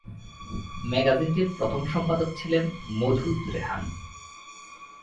ম্যাগাজিনটির প্রথম সম্পাদক ছিলেন মধু ত্রেহান।